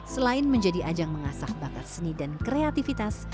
selain menjadi ajang mengasah bakat seni dan kreativitas